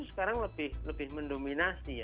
sekarang lebih mendominasi